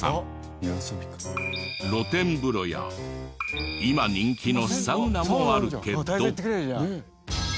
露天風呂や今人気のサウナもあるけど。